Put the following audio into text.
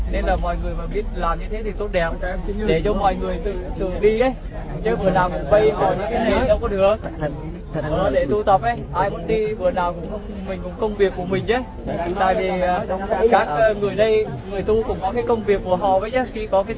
nên là mọi người mà biết làm như thế thì tốt đẹp